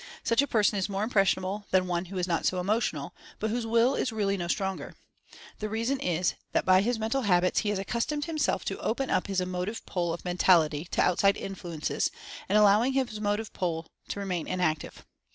Such a person is more impressionable than one who is not so emotional, but whose Will is really no stronger. The reason is that by his mental habits he has accustomed himself to "open up" his Emotive Pole of Mentality to outside influences and allowing his Motive Pole to remain inactive.